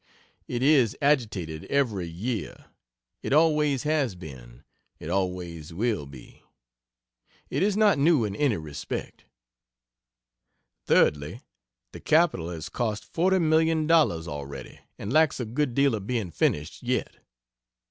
It is agitated every year. It always has been, it always will be; It is not new in any respect. Thirdly. The Capitol has cost $40,000,000 already and lacks a good deal of being finished, yet.